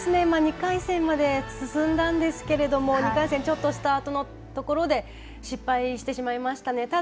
２回戦まで進んだんですけれど２回戦スタートのところで失敗してしまいましたね。